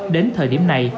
đến thời điểm này